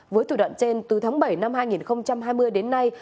với thủ đoạn trên từ tháng bảy năm hai nghìn hai mươi đến nay